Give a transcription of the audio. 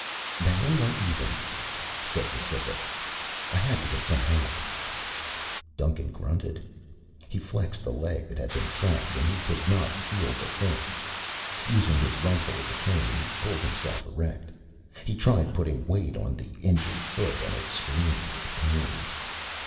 "Now we are even," said the Cytha. "I had to get some help." Duncan grunted. He flexed the leg that had been trapped and he could not feel the foot. Using his rifle as a cane, he pulled himself erect. He tried putting weight on the injured foot and it screamed with pain.